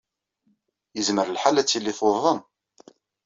Yezmer lḥal ad tili tuḍen.